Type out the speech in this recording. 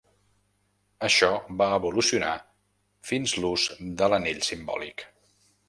Això va evolucionar fins l'ús de l'anell simbòlic.